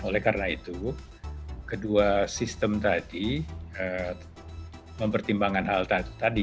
oleh karena itu kedua sistem tadi mempertimbangkan hal tadi